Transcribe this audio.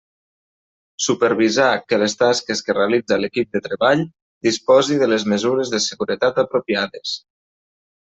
Supervisar que les tasques que realitza l'equip de treball disposi de les mesures de seguretat apropiades.